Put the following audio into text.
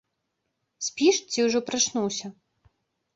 Спіш ці ўжо прачнуўся?